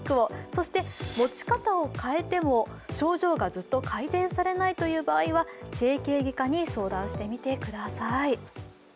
そして持ち方を変えても症状がずっと改善されないという場合は整形外科に相談してみてください。